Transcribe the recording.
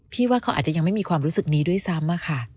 ว่าเขาอาจจะยังไม่มีความรู้สึกนี้ด้วยซ้ำอะค่ะ